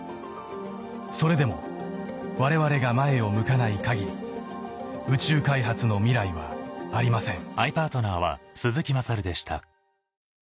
「それでも我々が前を向かない限り宇宙開発の未来はありません」